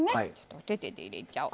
お手々で入れちゃおう。